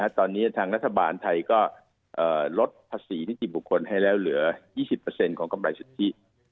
ตอนนี้ทางรัฐบาลไทยก็ลดภาษีนิติบุคคลให้แล้วเหลือ๒๐ของกำไรสุทธิ